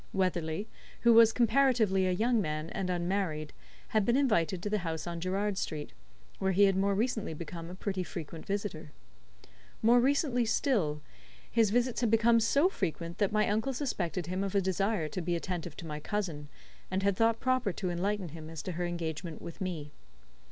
Weatherley, who was comparatively a young man and unmarried, had been invited to the house on Gerrard Street, where he had more recently become a pretty frequent visitor. More recently still, his visits had become so frequent that my uncle suspected him of a desire to be attentive to my cousin, and had thought proper to enlighten him as to her engagement with me.